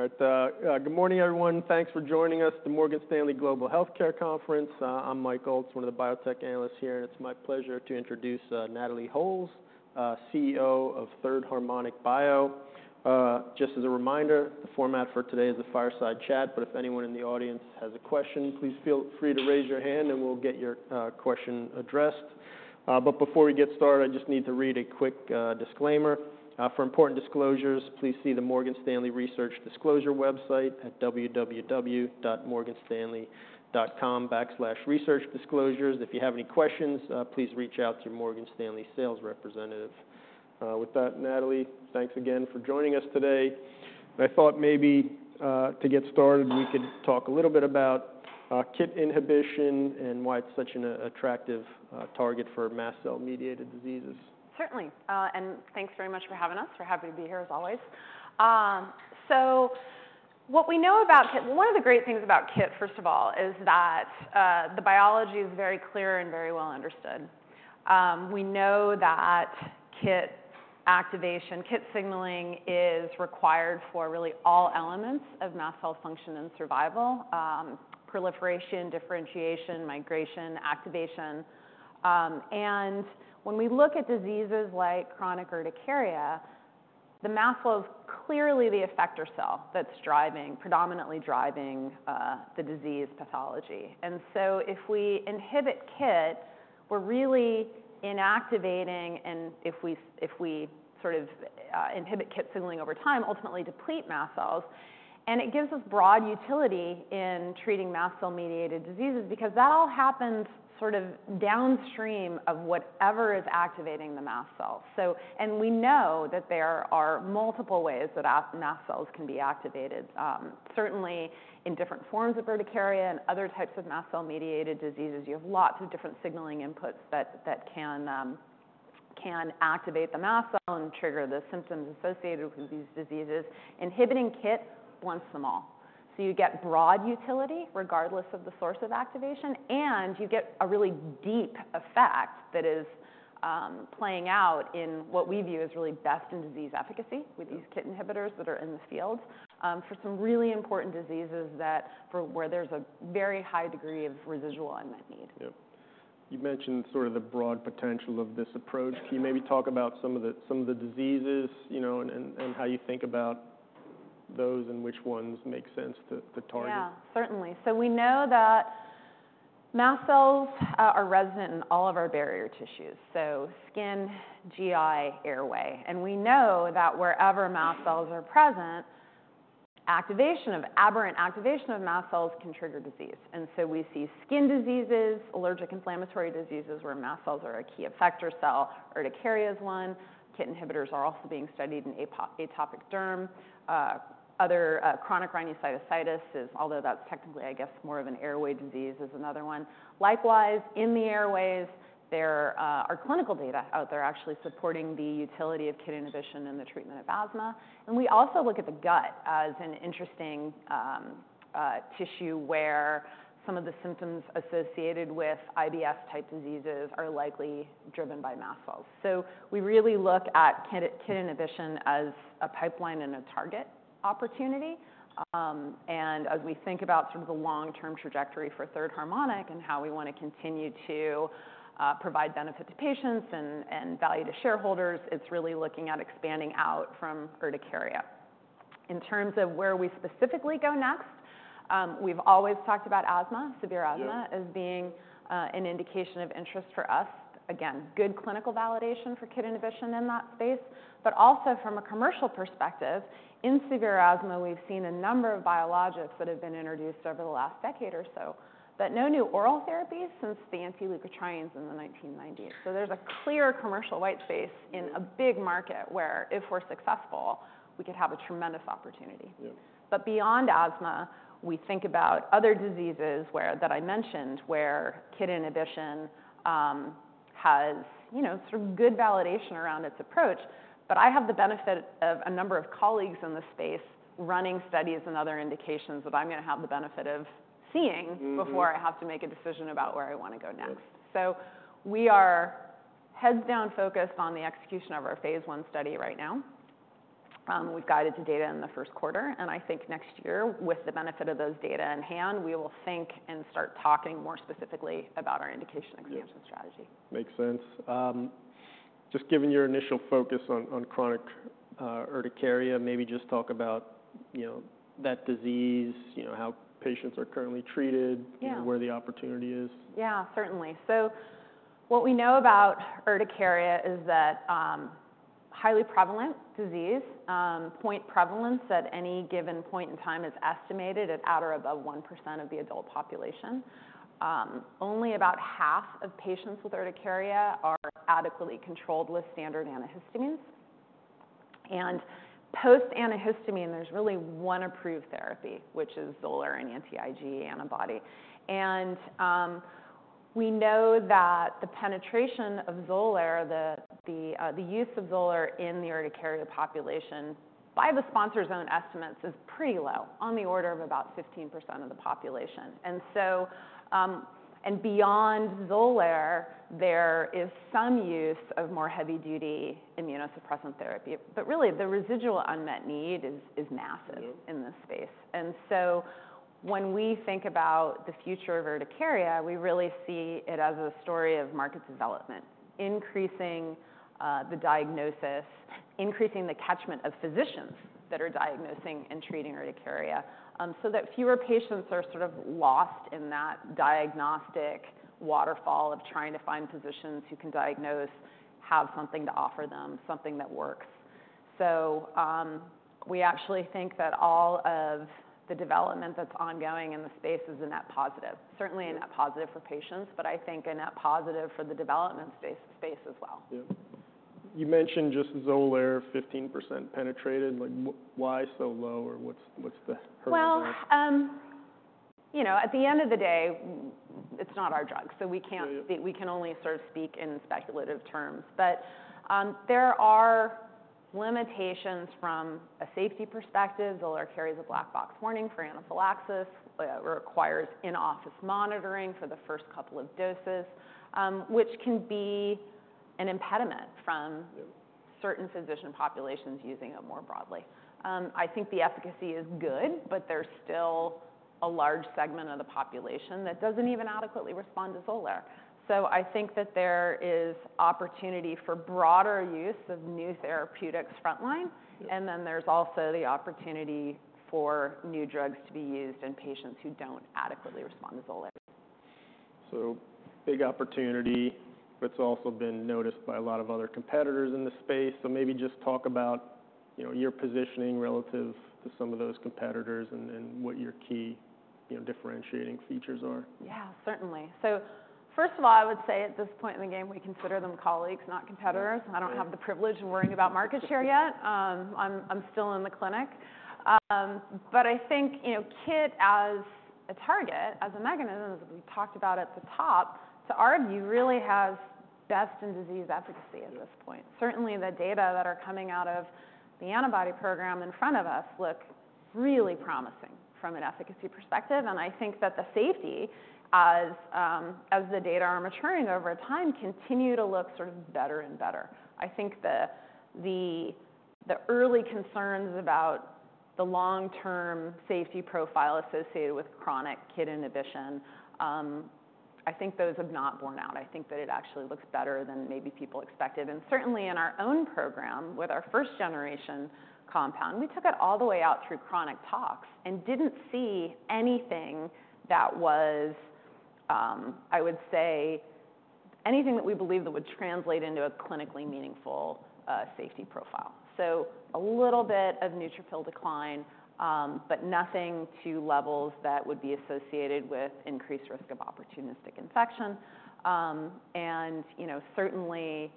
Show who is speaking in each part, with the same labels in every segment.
Speaker 1: All right, good morning, everyone. Thanks for joining us, the Morgan Stanley Global Healthcare Conference. I'm Mike Ault, one of the biotech analysts here, and it's my pleasure to introduce Natalie Holles, CEO of Third Harmonic Bio. Just as a reminder, the format for today is a fireside chat, but if anyone in the audience has a question, please feel free to raise your hand, and we'll get your question addressed. But before we get started, I just need to read a quick disclaimer. "For important disclosures, please see the Morgan Stanley Research Disclosure website at www.morganstanley.com/researchdisclosures. If you have any questions, please reach out to your Morgan Stanley sales representative." With that, Natalie, thanks again for joining us today. I thought maybe, to get started, we could talk a little bit about KIT inhibition and why it's such an attractive target for mast cell-mediated diseases.
Speaker 2: Certainly, and thanks very much for having us. We're happy to be here as always. So what we know about KIT. One of the great things about KIT, first of all, is that the biology is very clear and very well understood. We know that KIT activation, KIT signaling is required for really all elements of mast cell function and survival, proliferation, differentiation, migration, activation. And when we look at diseases like chronic urticaria, the mast cell is clearly the effector cell that's driving, predominantly driving, the disease pathology. And so if we inhibit KIT, we're really inactivating, and if we sort of inhibit KIT signaling over time, ultimately deplete mast cells, and it gives us broad utility in treating mast cell-mediated diseases because that all happens sort of downstream of whatever is activating the mast cells. We know that there are multiple ways that mast cells can be activated. Certainly in different forms of urticaria and other types of mast cell-mediated diseases, you have lots of different signaling inputs that can activate the mast cell and trigger the symptoms associated with these diseases. Inhibiting KIT blocks them all. You get broad utility regardless of the source of activation, and you get a really deep effect that is playing out in what we view as really best-in-disease efficacy with these KIT inhibitors that are in the field for some really important diseases that for where there's a very high degree of residual unmet need.
Speaker 1: Yep. You mentioned sort of the broad potential of this approach.
Speaker 2: Yeah.
Speaker 1: Can you maybe talk about some of the diseases, you know, and how you think about those, and which ones make sense to target?
Speaker 2: Yeah, certainly. So we know that mast cells are resident in all of our barrier tissues, so skin, GI, airway. And we know that wherever mast cells are present, aberrant activation of mast cells can trigger disease. And so we see skin diseases, allergic inflammatory diseases, where mast cells are a key effector cell. Urticaria is one. KIT inhibitors are also being studied in atopic derm. Other, chronic rhinosinusitis is, although that's technically, I guess, more of an airway disease, is another one. Likewise, in the airways, there are clinical data out there actually supporting the utility of KIT inhibition in the treatment of asthma. And we also look at the gut as an interesting tissue where some of the symptoms associated with IBS-type diseases are likely driven by mast cells. We really look at KIT, KIT inhibition as a pipeline and a target opportunity. As we think about sort of the long-term trajectory for Third Harmonic Bio and how we want to continue to provide benefit to patients and value to shareholders, it's really looking at expanding out from urticaria. In terms of where we specifically go next, we've always talked about asthma.
Speaker 1: Yeah...
Speaker 2: severe asthma, as being, an indication of interest for us. Again, good clinical validation for KIT inhibition in that space, but also from a commercial perspective, in severe asthma, we've seen a number of biologics that have been introduced over the last decade or so, but no new oral therapies since the anti-leukotrienes in the nineteen nineties. So there's a clear commercial white space in a big market where, if we're successful, we could have a tremendous opportunity.
Speaker 1: Yeah.
Speaker 2: But beyond asthma, we think about other diseases where that I mentioned, where KIT inhibition, you know, has sort of good validation around its approach. But I have the benefit of a number of colleagues in this space running studies and other indications that I'm gonna have the benefit of seeing-
Speaker 1: Mm-hmm...
Speaker 2: before I have to make a decision about where I want to go next.
Speaker 1: Yeah.
Speaker 2: We are heads down, focused on the execution of our phase I study right now. We've guided to data in the first quarter, and I think next year, with the benefit of those data in hand, we will think and start talking more specifically about our indication-
Speaker 1: Yeah...
Speaker 2: expansion strategy.
Speaker 1: Makes sense. Just given your initial focus on chronic urticaria, maybe just talk about, you know, that disease, you know, how patients are currently treated-
Speaker 2: Yeah...
Speaker 1: and where the opportunity is.
Speaker 2: Yeah, certainly. So what we know about urticaria is that highly prevalent disease, point prevalence at any given point in time is estimated at or above 1% of the adult population. Only about half of patients with urticaria are adequately controlled with standard antihistamines. And post-antihistamine, there's really one approved therapy, which is Xolair, an anti-IgE antibody. And we know that the penetration of Xolair, the use of Xolair in the urticaria population, by the sponsor's own estimates, is pretty low, on the order of about 15% of the population. And so... And beyond Xolair, there is some use of more heavy-duty immunosuppressant therapy, but really, the residual unmet need is massive-
Speaker 1: Yeah...
Speaker 2: in this space. And so when we think about the future of urticaria, we really see it as a story of market development, increasing the diagnosis, increasing the catchment of physicians that are diagnosing and treating urticaria, so that fewer patients are sort of lost in that diagnostic waterfall of trying to find physicians who can diagnose, have something to offer them, something that works. So, we actually think that all of the development that's ongoing in the space is a net positive. Certainly a net positive for patients, but I think a net positive for the development space as well.
Speaker 1: Yeah. You mentioned just Xolair, 15% penetrated. Like, why so low? Or what's the hurdle there?
Speaker 2: You know, at the end of the day, it's not our drug, so we can't-
Speaker 1: Yeah...
Speaker 2: we can only sort of speak in speculative terms. But, there are limitations from a safety perspective. Xolair carries a black box warning for anaphylaxis. It requires in-office monitoring for the first couple of doses, which can be an impediment from-
Speaker 1: Yeah...
Speaker 2: certain physician populations using it more broadly. I think the efficacy is good, but there's still a large segment of the population that doesn't even adequately respond to Xolair. So I think that there is opportunity for broader use of new therapeutics frontline, and then there's also the opportunity for new drugs to be used in patients who don't adequately respond to Xolair.
Speaker 1: So big opportunity, but it's also been noticed by a lot of other competitors in the space. So maybe just talk about, you know, your positioning relative to some of those competitors and what your key, you know, differentiating features are.
Speaker 2: Yeah, certainly, so first of all, I would say at this point in the game, we consider them colleagues, not competitors.
Speaker 1: Yeah.
Speaker 2: I don't have the privilege of worrying about market share yet. I'm still in the clinic, but I think, you know, KIT as a target, as a mechanism, as we talked about at the top, to argue, really has best in disease efficacy at this point. Certainly, the data that are coming out of the antibody program in front of us look really promising from an efficacy perspective, and I think that the safety, as, as the data are maturing over time, continue to look sort of better and better. I think the early concerns about the long-term safety profile associated with chronic KIT inhibition, I think those have not borne out. I think that it actually looks better than maybe people expected, and certainly in our own program with our first-generation compound, we took it all the way out through chronic tox and didn't see anything that was, I would say, anything that we believed that would translate into a clinically meaningful safety profile. So a little bit of neutrophil decline, but nothing to levels that would be associated with increased risk of opportunistic infection. And, you know, certainly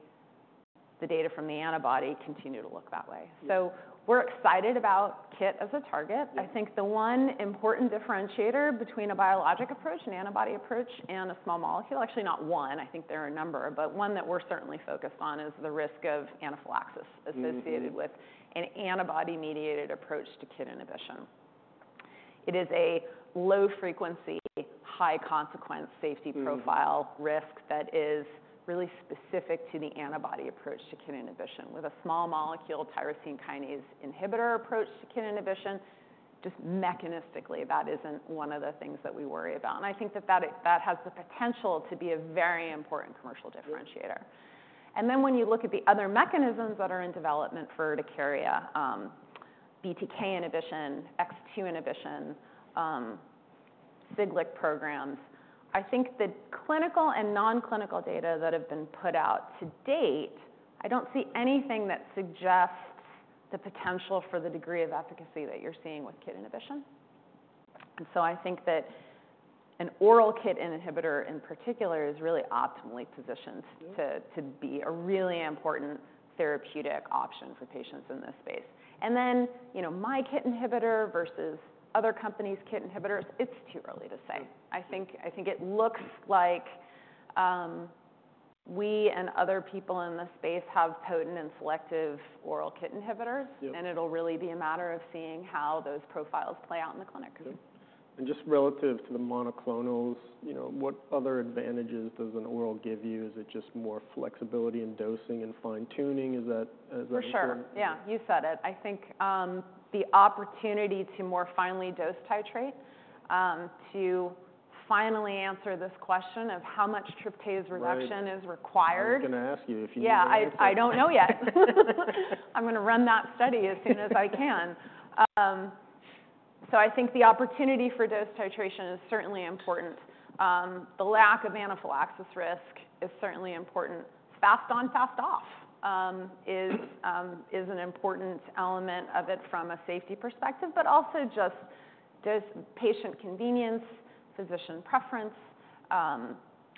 Speaker 2: the data from the antibody continue to look that way.
Speaker 1: Yeah.
Speaker 2: So we're excited about KIT as a target.
Speaker 1: Yeah.
Speaker 2: I think the one important differentiator between a biologic approach, an antibody approach, and a small molecule... Actually, not one, I think there are a number, but one that we're certainly focused on is the risk of anaphylaxis.
Speaker 1: Mm-hmm...
Speaker 2: associated with an antibody-mediated approach to KIT inhibition. It is a low-frequency, high-consequence safety profile-
Speaker 1: Mm...
Speaker 2: risk that is really specific to the antibody approach to KIT inhibition. With a small molecule, tyrosine kinase inhibitor approach to KIT inhibition, just mechanistically, that isn't one of the things that we worry about, and I think that has the potential to be a very important commercial differentiator.
Speaker 1: Yeah.
Speaker 2: And then, when you look at the other mechanisms that are in development for urticaria, BTK inhibition, Syk inhibition, Siglec programs, I think the clinical and non-clinical data that have been put out to date. I don't see anything that suggests the potential for the degree of efficacy that you're seeing with KIT inhibition. And so I think that an oral KIT inhibitor, in particular, is really optimally positioned-
Speaker 1: Yeah...
Speaker 2: to be a really important therapeutic option for patients in this space. And then, you know, my KIT inhibitor versus other companies' KIT inhibitors, it's too early to say.
Speaker 1: Yeah.
Speaker 2: I think it looks like we and other people in this space have potent and selective oral KIT inhibitors.
Speaker 1: Yeah.
Speaker 2: It'll really be a matter of seeing how those profiles play out in the clinic.
Speaker 1: Yeah. And just relative to the monoclonals, you know, what other advantages does an oral give you? Is it just more flexibility in dosing and fine-tuning? Is that?
Speaker 2: For sure. Yeah, you said it. I think, the opportunity to more finely dose titrate, to finally answer this question of how much tryptase reduction-
Speaker 1: Right...
Speaker 2: is required.
Speaker 1: I was gonna ask you if you know.
Speaker 2: Yeah, I don't know yet. I'm gonna run that study as soon as I can, so I think the opportunity for dose titration is certainly important. The lack of anaphylaxis risk is certainly important. Fast on, fast off is an important element of it from a safety perspective, but also just there's patient convenience, physician preference,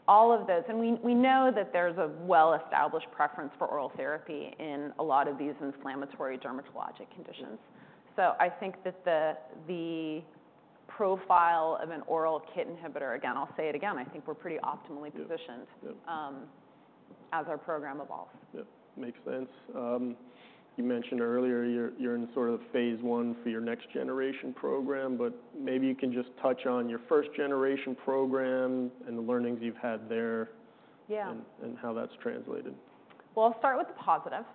Speaker 2: all of those, and we know that there's a well-established preference for oral therapy in a lot of these inflammatory dermatologic conditions.
Speaker 1: Yeah.
Speaker 2: So I think that the profile of an oral KIT inhibitor, again, I'll say it again, I think we're pretty optimally positioned-
Speaker 1: Yeah, yeah...
Speaker 2: as our program evolves.
Speaker 1: Yeah, makes sense. You mentioned earlier, you're in sort of phase one for your next generation program, but maybe you can just touch on your first generation program and the learnings you've had there.
Speaker 2: Yeah...
Speaker 1: and how that's translated....
Speaker 2: Well, I'll start with the positive,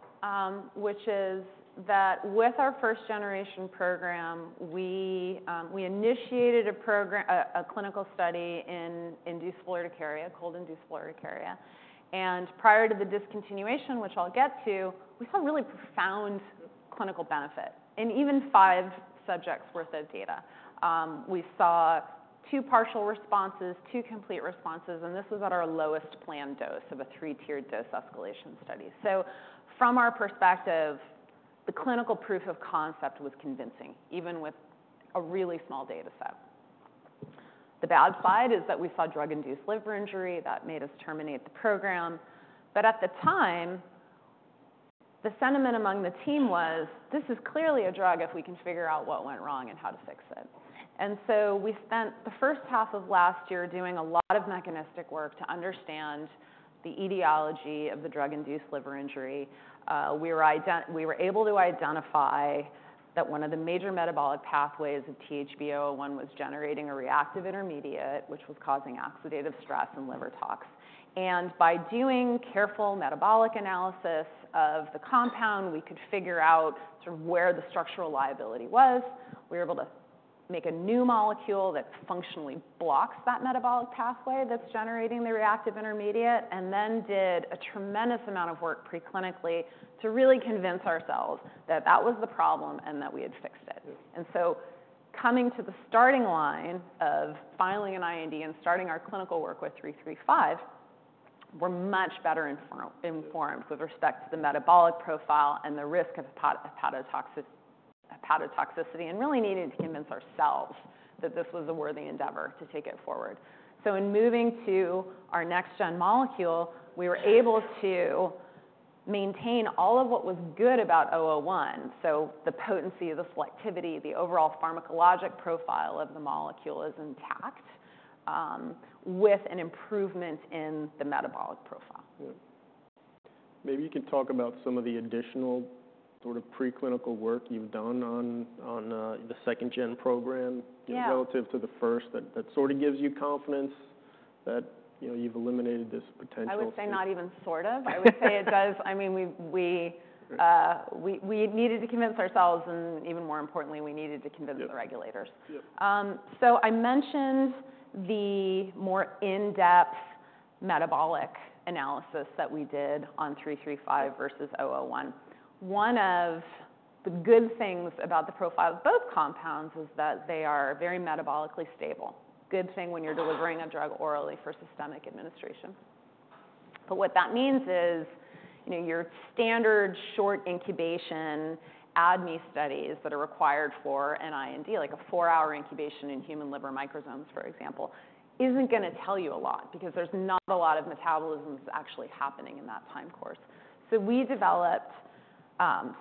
Speaker 2: which is that with our first-generation program, we initiated a program, a clinical study in induced urticaria, cold-induced urticaria. And prior to the discontinuation, which I'll get to, we saw really profound clinical benefit in even five subjects worth of data. We saw two partial responses, two complete responses, and this was at our lowest planned dose of a three-tiered dose escalation study. So from our perspective, the clinical proof of concept was convincing, even with a really small data set. The bad side is that we saw drug-induced liver injury that made us terminate the program. But at the time, the sentiment among the team was, "This is clearly a drug if we can figure out what went wrong and how to fix it." And so we spent the first half of last year doing a lot of mechanistic work to understand the etiology of the drug-induced liver injury. We were able to identify that one of the major metabolic pathways of 001 was generating a reactive intermediate, which was causing oxidative stress and liver tox. And by doing careful metabolic analysis of the compound, we could figure out sort of where the structural liability was. We were able to make a new molecule that functionally blocks that metabolic pathway that's generating the reactive intermediate, and then did a tremendous amount of work preclinically to really convince ourselves that that was the problem and that we had fixed it. Coming to the starting line of filing an IND and starting our clinical work with 335, we're much better informed with respect to the metabolic profile and the risk of hepatotoxicity, and really needing to convince ourselves that this was a worthy endeavor to take it forward. In moving to our next gen molecule, we were able to maintain all of what was good about 001. The potency, the selectivity, the overall pharmacologic profile of the molecule is intact, with an improvement in the metabolic profile.
Speaker 1: Yeah. Maybe you could talk about some of the additional sort of preclinical work you've done on the second gen program-
Speaker 2: Yeah...
Speaker 1: relative to the first, that sort of gives you confidence that, you know, you've eliminated this potential.
Speaker 2: I would say not even sort of. I would say it does. I mean, we needed to convince ourselves, and even more importantly, we needed to convince-
Speaker 1: Yeah...
Speaker 2: the regulators.
Speaker 1: Yeah.
Speaker 2: So I mentioned the more in-depth metabolic analysis that we did on THB335-
Speaker 1: Yeah...
Speaker 2: versus 001. One of the good things about the profile of both compounds is that they are very metabolically stable. Good thing when you're delivering a drug orally for systemic administration. But what that means is, you know, your standard short incubation ADME studies that are required for an IND, like a four-hour incubation in human liver microsomes, for example, isn't gonna tell you a lot because there's not a lot of metabolisms actually happening in that time course. So we developed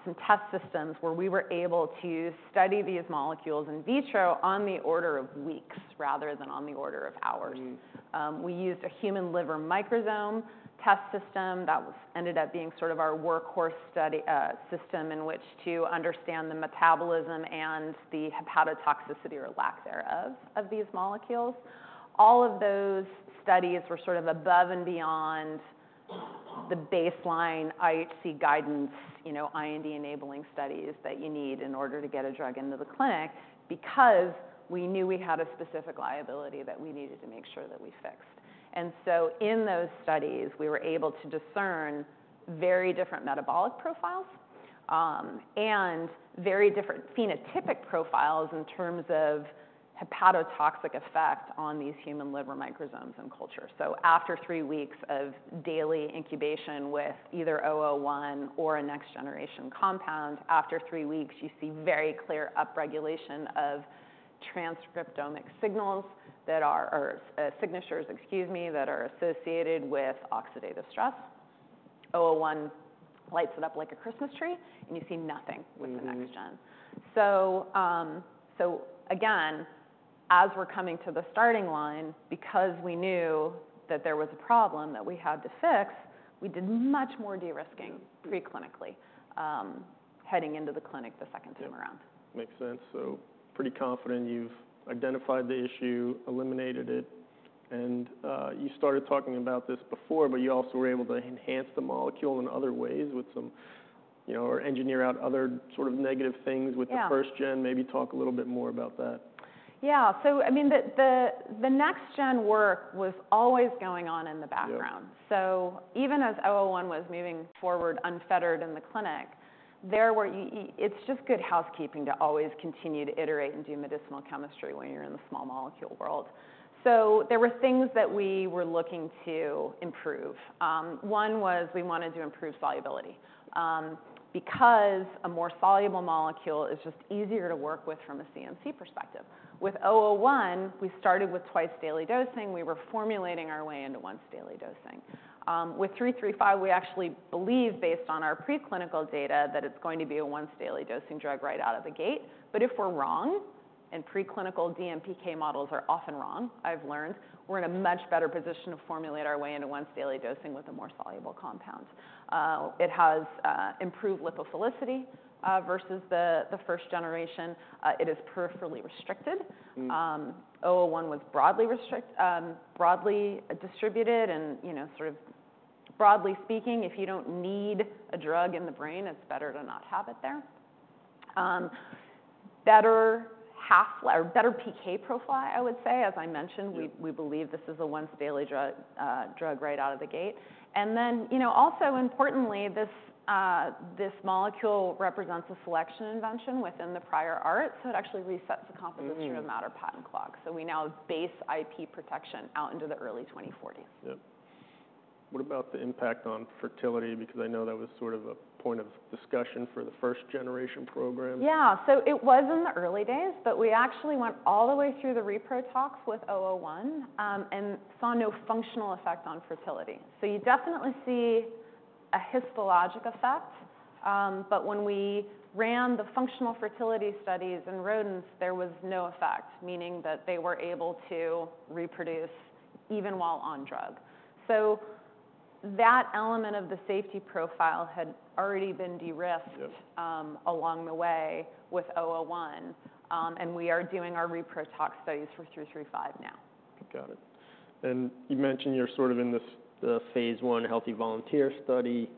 Speaker 2: some test systems where we were able to study these molecules in vitro on the order of weeks rather than on the order of hours.
Speaker 1: Mm.
Speaker 2: We used a human liver microsome test system that was ended up being sort of our workhorse study, system, in which to understand the metabolism and the hepatotoxicity or lack thereof, of these molecules. All of those studies were sort of above and beyond the baseline ICH guidance, you know, IND-enabling studies that you need in order to get a drug into the clinic, because we knew we had a specific liability that we needed to make sure that we fixed. And so in those studies, we were able to discern very different metabolic profiles, and very different phenotypic profiles in terms of hepatotoxic effect on these human liver microsomes and culture. So after three weeks of daily incubation with either 001 or a next generation compound, after three weeks, you see very clear upregulation of transcriptomic signals that are, or, signatures, excuse me, that are associated with oxidative stress. 001 lights it up like a Christmas tree, and you see nothing-
Speaker 1: Mm-hmm...
Speaker 2: with the next gen. So again, as we're coming to the starting line, because we knew that there was a problem that we had to fix, we did much more de-risking.
Speaker 1: Mm...
Speaker 2: preclinically, heading into the clinic the second time around.
Speaker 1: Yeah. Makes sense. So pretty confident you've identified the issue, eliminated it, and, you started talking about this before, but you also were able to enhance the molecule in other ways with some... You know, or engineer out other sort of negative things with-
Speaker 2: Yeah...
Speaker 1: the first gen. Maybe talk a little bit more about that.
Speaker 2: Yeah. So I mean, the next-gen work was always going on in the background.
Speaker 1: Yeah.
Speaker 2: So even as 001 was moving forward, unfettered in the clinic, there were. It's just good housekeeping to always continue to iterate and do medicinal chemistry when you're in the small molecule world. So there were things that we were looking to improve. One was we wanted to improve solubility, because a more soluble molecule is just easier to work with from a CMC perspective. With 001, we started with twice daily dosing. We were formulating our way into once daily dosing. With 335, we actually believe, based on our preclinical data, that it's going to be a once daily dosing drug right out of the gate. But if we're wrong, and preclinical DMPK models are often wrong, I've learned, we're in a much better position to formulate our way into once daily dosing with a more soluble compound. It has improved lipophilicity versus the first generation. It is peripherally restricted.
Speaker 1: Mm.
Speaker 2: 001 was broadly restricted, broadly distributed and, you know, sort of broadly speaking, if you don't need a drug in the brain, it's better to not have it there. Better half or better PK profile, I would say. As I mentioned-
Speaker 1: Yep.
Speaker 2: We believe this is a once daily drug right out of the gate. And then, you know, also importantly, this molecule represents a selection invention within the prior art, so it actually resets the composition-
Speaker 1: Mm.
Speaker 2: composition of matter patent clock. So we now base IP protection out into the early 2040.
Speaker 1: Yep. What about the impact on fertility? Because I know that was sort of a point of discussion for the first generation program.
Speaker 2: Yeah. So it was in the early days, but we actually went all the way through the repro tox with 001, and saw no functional effect on fertility. So you definitely see a histologic effect, but when we ran the functional fertility studies in rodents, there was no effect, meaning that they were able to reproduce even while on drug. So that element of the safety profile had already been de-risked-
Speaker 1: Yep...
Speaker 2: along the way with 001, and we are doing our repro tox studies for 335 now.
Speaker 1: Got it. And you mentioned you're sort of in this, the phase 1 healthy volunteer study.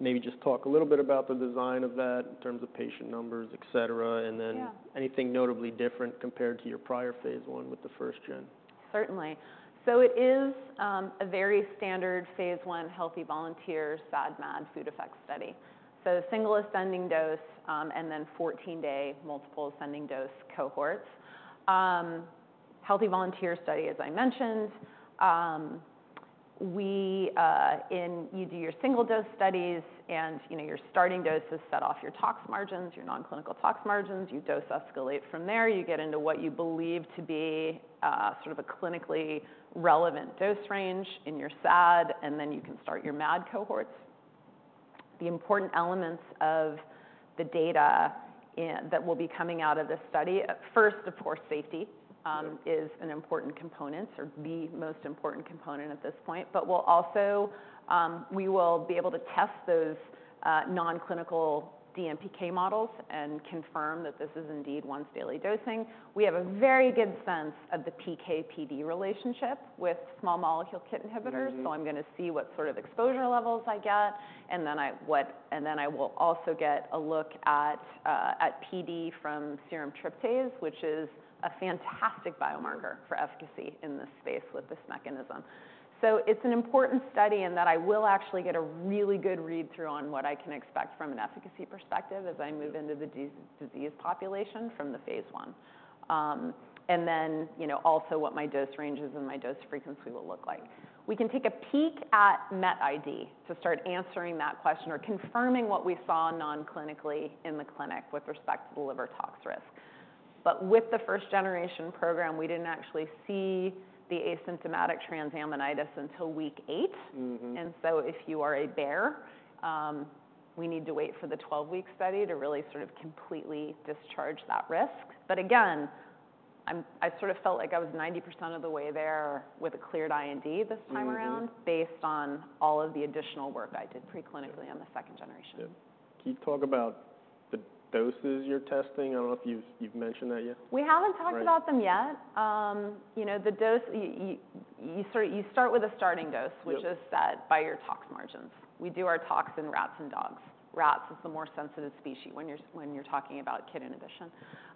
Speaker 1: Maybe just talk a little bit about the design of that in terms of patient numbers, et cetera.
Speaker 2: Yeah.
Speaker 1: And then anything notably different compared to your prior phase 1 with the first-gen?
Speaker 2: Certainly. So it is, a very standard phase one, healthy volunteer, SAD, MAD food effect study. So single ascending dose, and then fourteen-day multiple ascending dose cohorts. Healthy volunteer study, as I mentioned. You do your single dose studies and, you know, your starting doses set off your tox margins, your non-clinical tox margins. You dose escalate from there, you get into what you believe to be, sort of a clinically relevant dose range in your SAD, and then you can start your MAD cohorts. The important elements of the data that will be coming out of this study, first, of course, safety-
Speaker 1: Yep...
Speaker 2: is an important component or the most important component at this point. But we'll also... We will be able to test those non-clinical DMPK models and confirm that this is indeed once daily dosing. We have a very good sense of the PK/PD relationship with small molecule KIT inhibitors.
Speaker 1: Mm-hmm.
Speaker 2: So I'm gonna see what sort of exposure levels I get, and then I will also get a look at PD from serum tryptase, which is a fantastic biomarker for efficacy in this space with this mechanism. So it's an important study, and that I will actually get a really good read-through on what I can expect from an efficacy perspective-
Speaker 1: Yep
Speaker 2: as I move into the disease population from the phase one. And then, you know, also what my dose ranges and my dose frequency will look like. We can take a peek at MetID to start answering that question or confirming what we saw non-clinically in the clinic with respect to the liver tox risk. But with the first generation program, we didn't actually see the asymptomatic transaminitis until week eight.
Speaker 1: Mm-hmm.
Speaker 2: And so if you are a bear, we need to wait for the 12-week study to really sort of completely discharge that risk. But again, I sort of felt like I was 90% of the way there with a cleared IND this time around.
Speaker 1: Mm-hmm...
Speaker 2: based on all of the additional work I did pre-clinically-
Speaker 1: Yep
Speaker 2: on the second generation.
Speaker 1: Yep. Can you talk about the doses you're testing? I don't know if you've mentioned that yet.
Speaker 2: We haven't talked about them yet.
Speaker 1: Right.
Speaker 2: You know, the dose, you start with a starting dose.
Speaker 1: Yep
Speaker 2: Which is set by your tox margins. We do our tox in rats and dogs. Rats is the more sensitive species when you're talking about KIT inhibition.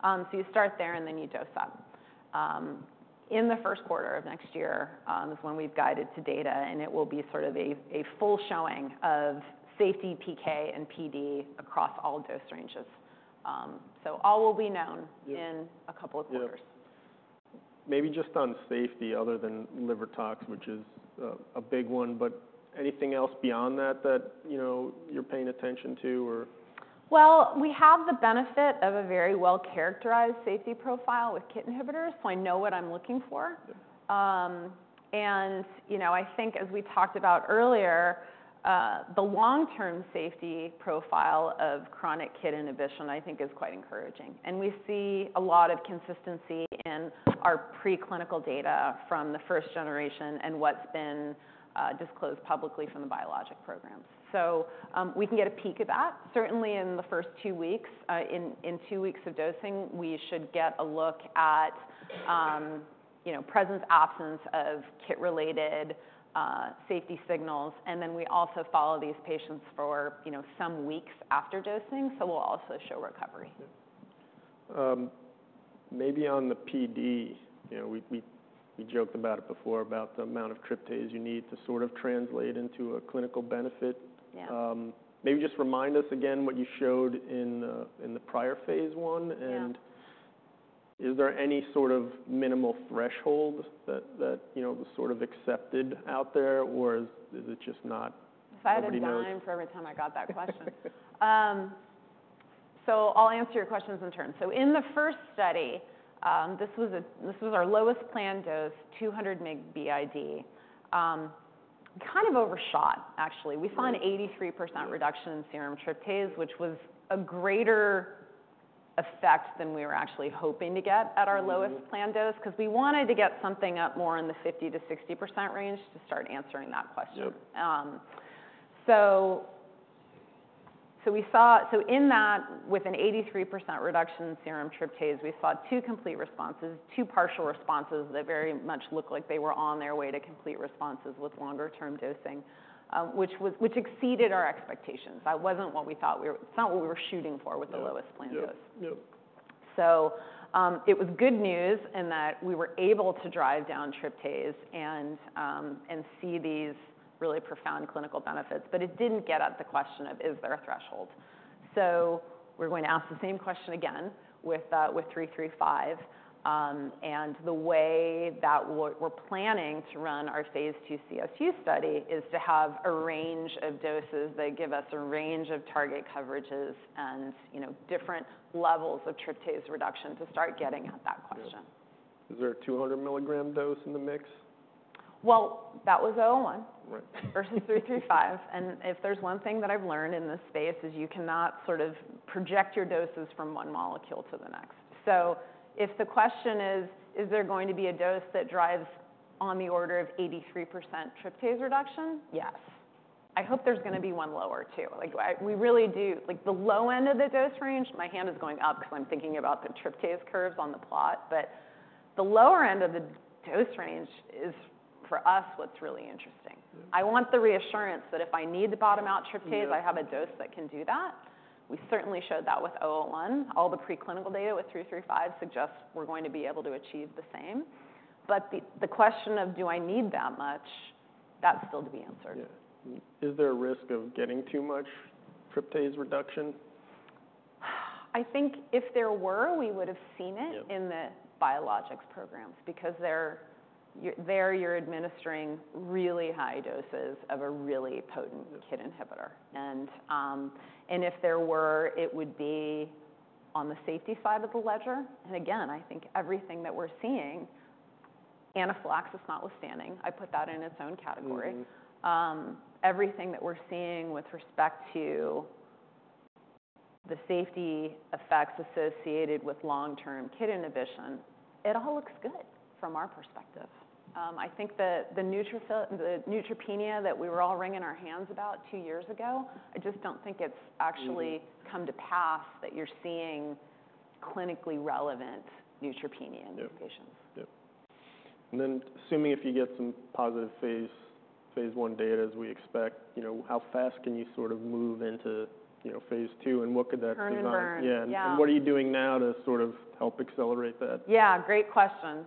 Speaker 2: So you start there, and then you dose up. In the first quarter of next year is when we've guided to data, and it will be sort of a full showing of safety, PK, and PD across all dose ranges. So all will be known-
Speaker 1: Yep
Speaker 2: in a couple of quarters.
Speaker 1: Yep. Maybe just on safety, other than liver tox, which is a big one, but anything else beyond that, you know, you're paying attention to or?
Speaker 2: We have the benefit of a very well-characterized safety profile with KIT inhibitors, so I know what I'm looking for.
Speaker 1: Yep.
Speaker 2: You know, I think as we talked about earlier, the long-term safety profile of chronic KIT inhibition, I think, is quite encouraging. And we see a lot of consistency in our preclinical data from the first generation and what's been disclosed publicly from the biologic programs. So, we can get a peek at that, certainly in the first two weeks. In two weeks of dosing, we should get a look at, you know, presence/absence of KIT-related safety signals, and then we also follow these patients for, you know, some weeks after dosing, so we'll also show recovery.
Speaker 1: Yep. Maybe on the PD, you know, we joked about it before, about the amount of tryptase you need to sort of translate into a clinical benefit.
Speaker 2: Yeah.
Speaker 1: Maybe just remind us again what you showed in the prior phase one?
Speaker 2: Yeah.
Speaker 1: And is there any sort of minimal threshold that you know was sort of accepted out there, or is it just not... Nobody knows?
Speaker 2: If I had a dime for every time I got that question. So I'll answer your questions in turn. So in the first study, this was our lowest planned dose, 200 mg BID. We kind of overshot, actually.
Speaker 1: Right.
Speaker 2: We found 83% reduction in serum tryptase, which was a greater effect than we were actually hoping to get at our lowest-
Speaker 1: Mm
Speaker 2: planned dose because we wanted to get something up more in the 50%-60% range to start answering that question.
Speaker 1: Yep.
Speaker 2: So in that, with an 83% reduction in serum tryptase, we saw two complete responses, two partial responses that very much looked like they were on their way to complete responses with longer term dosing, which exceeded our expectations. That wasn't what we thought we were. It's not what we were shooting for with the lowest planned dose.
Speaker 1: Yep. Yep....
Speaker 2: So, it was good news in that we were able to drive down tryptase and see these really profound clinical benefits. But it didn't get at the question of, is there a threshold? So we're going to ask the same question again with 335. And the way that what we're planning to run our phase 2 CSU study is to have a range of doses that give us a range of target coverages and, you know, different levels of tryptase reduction to start getting at that question.
Speaker 1: Yeah. Is there a 200-milligram dose in the mix?
Speaker 2: That was 001-
Speaker 1: Right.
Speaker 2: versus three three five. And if there's one thing that I've learned in this space, is you cannot sort of project your doses from one molecule to the next. So if the question is, is there going to be a dose that drives on the order of 83% tryptase reduction? Yes. I hope there's gonna be one lower, too. Like, I—we really do. Like, the low end of the dose range, my hand is going up because I'm thinking about the tryptase curves on the plot, but the lower end of the dose range is, for us, what's really interesting.
Speaker 1: Yeah.
Speaker 2: I want the reassurance that if I need to bottom out tryptase-
Speaker 1: Yeah...
Speaker 2: I have a dose that can do that. We certainly showed that with 001. All the preclinical data with 335 suggests we're going to be able to achieve the same. But the question of, do I need that much? That's still to be answered.
Speaker 1: Yeah. Is there a risk of getting too much tryptase reduction?
Speaker 2: I think if there were, we would have seen it-
Speaker 1: Yeah...
Speaker 2: in the biologics programs, because you're administering really high doses of a really potent KIT inhibitor. And if there were, it would be on the safety side of the ledger. And again, I think everything that we're seeing, anaphylaxis notwithstanding, I put that in its own category-
Speaker 1: Mm-hmm...
Speaker 2: everything that we're seeing with respect to the safety effects associated with long-term KIT inhibition, it all looks good from our perspective. I think the neutropenia that we were all wringing our hands about two years ago, I just don't think it's actually-
Speaker 1: Mm...
Speaker 2: come to pass, that you're seeing clinically relevant neutropenia in patients.
Speaker 1: Assuming if you get some positive phase 1 data, as we expect, you know, how fast can you sort of move into, you know, phase 2, and what could that design-
Speaker 2: Turn and burn.
Speaker 1: Yeah.
Speaker 2: Yeah.
Speaker 1: What are you doing now to sort of help accelerate that?
Speaker 2: Yeah, great question.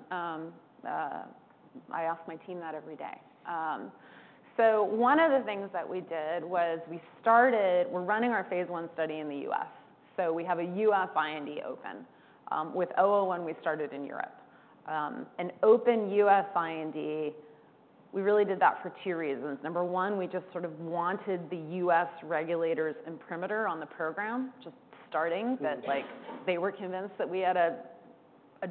Speaker 2: I ask my team that every day. So one of the things that we did was we're running our phase 1 study in the U.S., so we have a U.S. IND open. With 001, we started in Europe. An open U.S. IND, we really did that for two reasons. Number one, we just sort of wanted the U.S. regulators' imprimatur on the program, just starting-
Speaker 1: Mm...
Speaker 2: that, like, they were convinced that we had a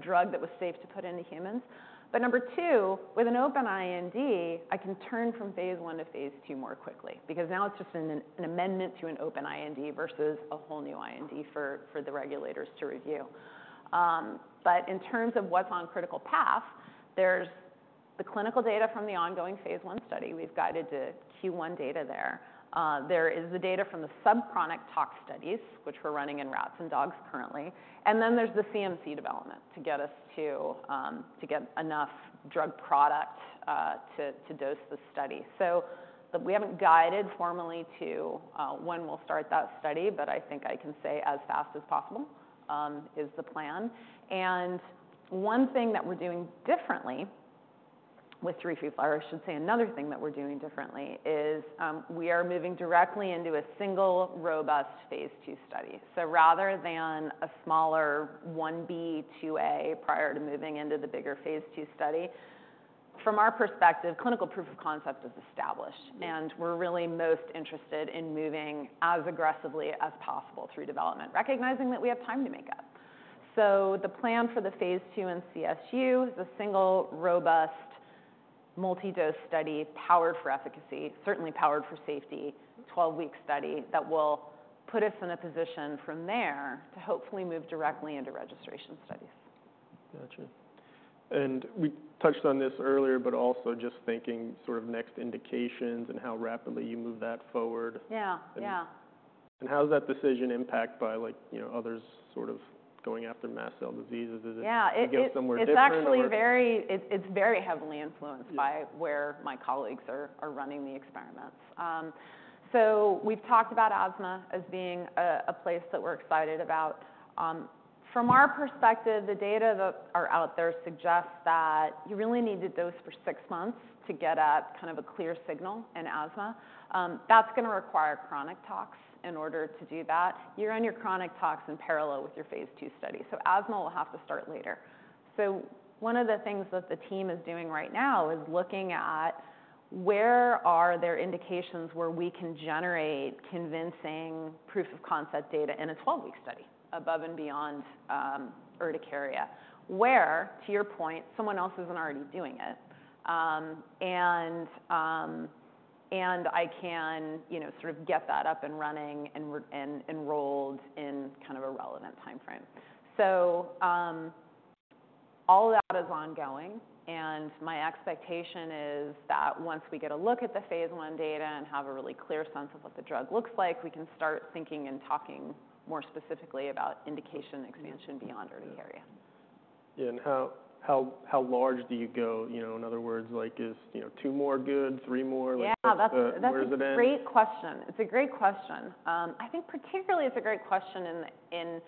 Speaker 2: drug that was safe to put into humans. But number two, with an open IND, I can turn from phase 1 to phase 2 more quickly, because now it's just an amendment to an open IND versus a whole new IND for the regulators to review. But in terms of what's on critical path, there's the clinical data from the ongoing phase 1 study. We've guided to Q1 data there. There is the data from the subchronic tox studies, which we're running in rats and dogs currently. And then there's the CMC development to get us to get enough drug product to dose the study. So, but we haven't guided formally to when we'll start that study, but I think I can say as fast as possible is the plan. And one thing that we're doing differently with 335, or I should say another thing that we're doing differently, is we are moving directly into a single robust phase 2 study. So rather than a smaller 1b, 2a prior to moving into the bigger phase 2 study, from our perspective, clinical proof of concept is established.
Speaker 1: Yeah.
Speaker 2: And we're really most interested in moving as aggressively as possible through development, recognizing that we have time to make up. So the plan for the phase 2 and CSU is a single, robust, multi-dose study powered for efficacy, certainly powered for safety, twelve-week study that will put us in a position from there to hopefully move directly into registration studies.
Speaker 1: Gotcha, and we touched on this earlier, but also just thinking sort of next indications and how rapidly you move that forward.
Speaker 2: Yeah. Yeah.
Speaker 1: How is that decision impacted by, like, you know, others sort of going after mast cell diseases?
Speaker 2: Yeah, it-
Speaker 1: Is it somewhere different or?
Speaker 2: It's actually very heavily influenced-
Speaker 1: Yeah...
Speaker 2: by where my colleagues are running the experiments. So we've talked about asthma as being a place that we're excited about. From our perspective, the data that are out there suggest that you really need to dose for six months to get at kind of a clear signal in asthma. That's gonna require chronic tox in order to do that. You run your chronic tox in parallel with your phase 2 study, so asthma will have to start later. One of the things that the team is doing right now is looking at where are there indications where we can generate convincing proof of concept data in a 12-week study above and beyond urticaria, where, to your point, someone else isn't already doing it? And I can, you know, sort of get that up and running and we're enrolled in kind of a relevant timeframe. So, all of that is ongoing, and my expectation is that once we get a look at the phase 1 data and have a really clear sense of what the drug looks like, we can start thinking and talking more specifically about indication and expansion beyond urticaria....
Speaker 1: Yeah, and how large do you go? You know, in other words, like, is two more good, three more?
Speaker 2: Yeah.
Speaker 1: Like, where does it end?
Speaker 2: That's a great question. It's a great question. I think particularly it's a great question in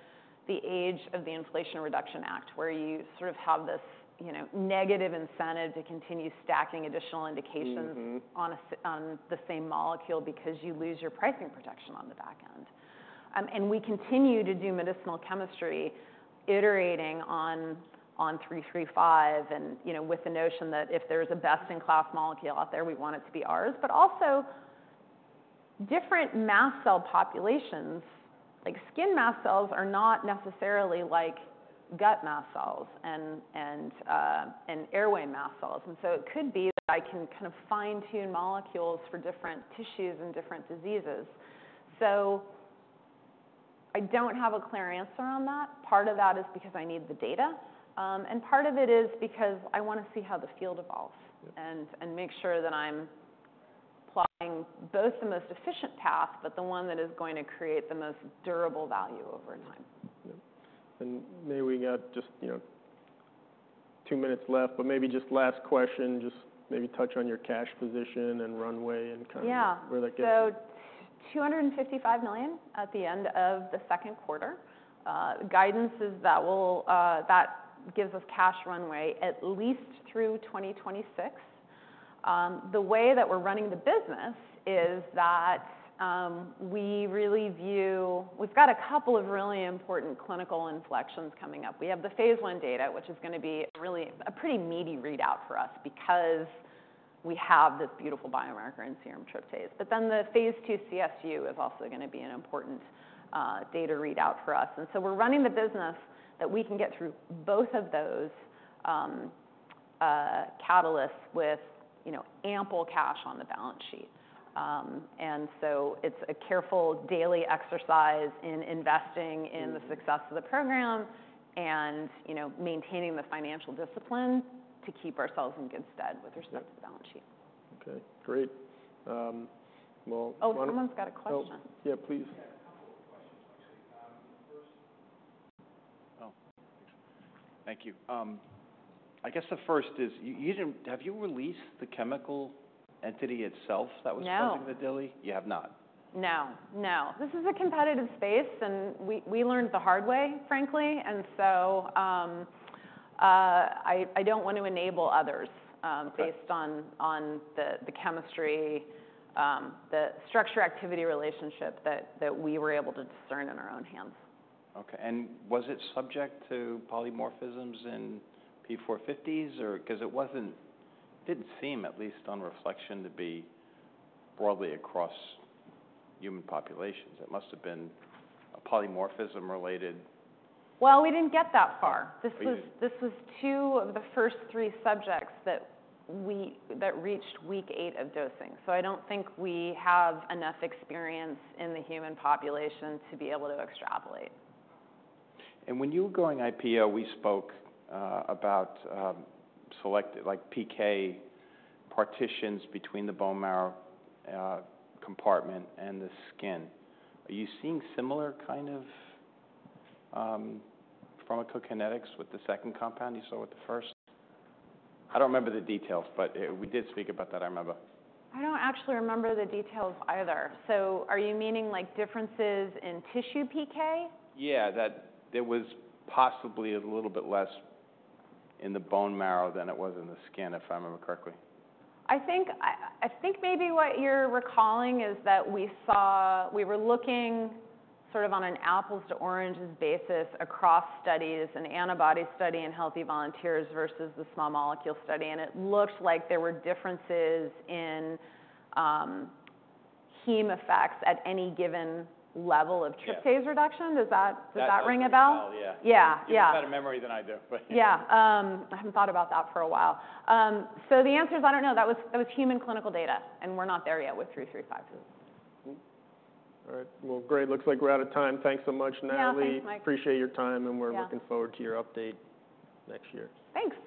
Speaker 2: the age of the Inflation Reduction Act, where you sort of have this, you know, negative incentive to continue stacking additional indications-
Speaker 1: Mm-hmm
Speaker 2: on asthma, on the same molecule because you lose your pricing protection on the back end. And we continue to do medicinal chemistry, iterating on 335, you know, with the notion that if there's a best-in-class molecule out there, we want it to be ours. But also, different mast cell populations, like skin mast cells, are not necessarily like gut mast cells and airway mast cells. And so it could be that I can kind of fine-tune molecules for different tissues and different diseases. So I don't have a clear answer on that. Part of that is because I need the data, and part of it is because I wanna see how the field evolves.
Speaker 1: Yeah...
Speaker 2: and make sure that I'm plotting both the most efficient path, but the one that is going to create the most durable value over time.
Speaker 1: Yeah. And maybe we've got just, you know, two minutes left, but maybe just last question, just maybe touch on your cash position and runway and kind of-
Speaker 2: Yeah
Speaker 1: - where that goes.
Speaker 2: So, $255 million at the end of the second quarter. Guidance is that will, that gives us cash runway at least through 2026. The way that we're running the business is that, we really view. We've got a couple of really important clinical inflection points coming up. We have the phase 1 data, which is gonna be really a pretty meaty readout for us because we have this beautiful biomarker in serum tryptase. But then the phase 2 CSU is also gonna be an important, data readout for us. And so we're running the business that we can get through both of those, catalysts with, you know, ample cash on the balance sheet, and so it's a careful daily exercise in investing.
Speaker 1: Mm-hmm
Speaker 2: in the success of the program and, you know, maintaining the financial discipline to keep ourselves in good stead with respect-
Speaker 1: Yeah
Speaker 2: - to the balance sheet.
Speaker 1: Okay, great.
Speaker 2: Oh, someone's got a question.
Speaker 1: Oh, yeah, please. Yeah, a couple of questions, actually. First... Oh, thank you. I guess the first is, have you released the chemical entity itself that was-
Speaker 2: No Going to DILI? You have not. No, no. This is a competitive space, and we learned the hard way, frankly. And so, I don't want to enable others. Sure... based on the chemistry, the structure-activity relationship that we were able to discern in our own hands. Okay. And was it subject to polymorphisms in P450s, or? 'Cause it wasn't-- it didn't seem, at least on reflection, to be broadly across human populations. It must have been a polymorphism related. We didn't get that far. We- This was two of the first three subjects that reached week eight of dosing, so I don't think we have enough experience in the human population to be able to extrapolate. And when you were going IPO, we spoke about select like PK partitions between the bone marrow compartment and the skin. Are you seeing similar kind of pharmacokinetics with the second compound you saw with the first? I don't remember the details, but we did speak about that, I remember. I don't actually remember the details either. So are you meaning like differences in tissue PK? Yeah, that it was possibly a little bit less in the bone marrow than it was in the skin, if I remember correctly. I think maybe what you're recalling is that we saw we were looking sort of on an apples to oranges basis across studies, an antibody study in healthy volunteers versus the small molecule study, and it looked like there were differences in heme effects at any given level of- Yeah - tryptase reduction. Does that- That- Does that ring a bell? Oh, yeah. Yeah. Yeah. You have a better memory than I do, but... Yeah, I haven't thought about that for a while. So the answer is, I don't know. That was human clinical data, and we're not there yet with 335. Mm.
Speaker 1: All right. Well, great. Looks like we're out of time. Thanks so much, Natalie.
Speaker 2: Yeah, thanks, Mike.
Speaker 1: Appreciate your time, and-
Speaker 2: Yeah
Speaker 1: We're looking forward to your update next year.
Speaker 2: Thanks.